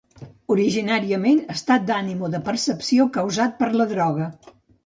Originàriament, estat d'ànim o de percepció causat per la droga.